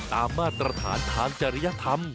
มาตรฐานทางจริยธรรม